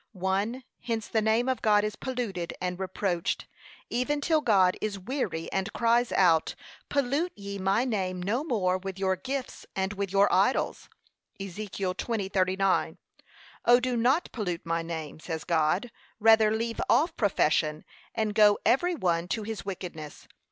1. Hence the name of God is polluted and reproached, even till God is weary and cries out, 'Pollute ye my name no more with your gifts and with your idols.' (Eze. 20:39) O do not pollute my name, says God; rather leave off profession, and go every one to his wickedness.